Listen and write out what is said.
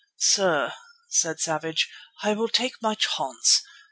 "Sir," said Savage, "I will take my chance.